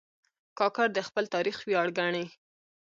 کاکړ د خپل تاریخ ویاړ ګڼي.